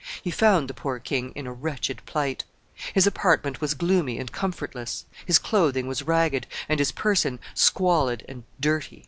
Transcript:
He found the poor king in a wretched plight. His apartment was gloomy and comfortless, his clothing was ragged, and his person squalid and dirty.